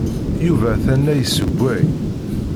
Yuba atan la yessewway.